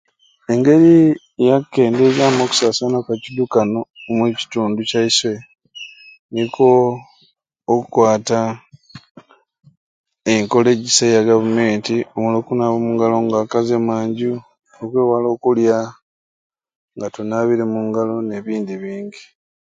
Engeri yakukendezamu akusasana kwa kidukano omu kitundu kyaiswe niko okwata enkola egyisai eya government omuli okunaaba engalo nga wakazwa emanju okwewala okulya nga tanabire omungalo nebindi bingi